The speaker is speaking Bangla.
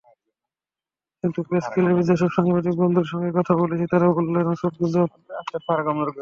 কিন্তু প্রেসক্লাবে যেসব সাংবাদিক বন্ধুর সঙ্গে কথা বলেছি, তাঁরা বললেন, ওসব গুজব।